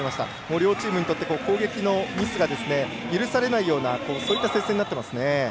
両チームにとって攻撃のミスが許されないようなそういった接戦になってますね。